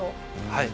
はい。